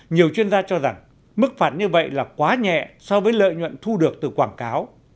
nhiều chuyên gia cho rằng mức phạt như vậy là quá nhẹ so với lợi nhuận thu được từ quảng cáo